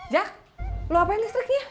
jack lu ngapain listriknya